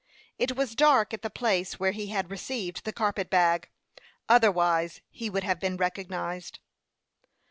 It was dark at the place where he had received the carpet bag, otherwise he would have been recognized.